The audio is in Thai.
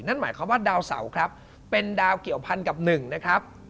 นั่นหมายความว่าดาวเสาครับเป็นดาวเกี่ยวพันกับหนึ่งนะครับ